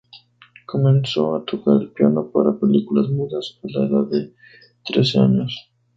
Comenzó a tocar el piano para películas mudas a la edad de trece años.